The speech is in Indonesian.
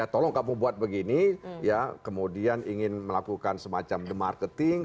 tolong kamu buat begini kemudian ingin melakukan semacam demarketing